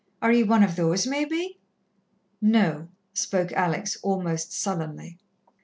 Are ye one of those, maybe?" "No," spoke Alex, almost sullenly.